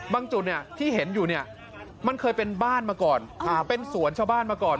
จุดที่เห็นอยู่เนี่ยมันเคยเป็นบ้านมาก่อนเป็นสวนชาวบ้านมาก่อน